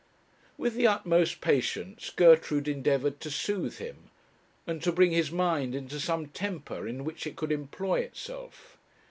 With the utmost patience Gertrude endeavoured to soothe him, and to bring his mind into some temper in which it could employ itself.